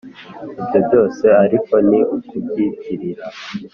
ibyo byose ariko ni ukubyitirira